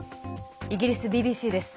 イギリスＢＢＣです。